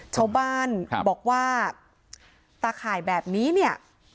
ชาวบ้านบอกว่าตาข่ายแบบนี้เนี่ย